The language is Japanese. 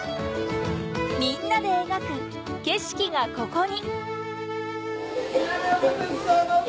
みんなで描く景色がここに！